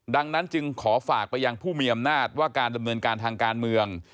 ดังนั้นจึงขอฝากไปยังผู้มีอำนาจว่าการดำเนินการทางการเมือง